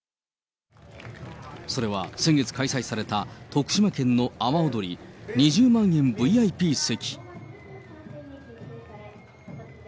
それは先月開催された徳島県の阿波おどり２０万円ＶＩＰ席。